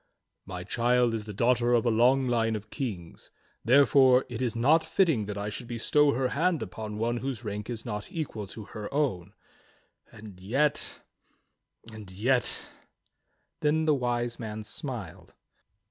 "My child is the daughter of a long line of kings, therefore it is not fitting that I should bestow her hand upon one whose rank is not equal to her own; and yet — and yet —" Then the Wise Man smiled.